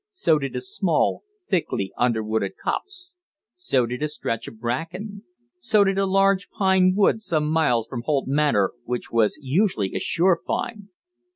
So did a small, thickly underwooded copse. So did a stretch of bracken. So did a large pine wood some miles from Holt Manor, which was usually a sure find.